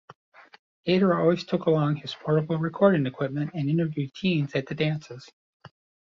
"Gator" always took along his portable recording equipment and interviewed teens at the dances.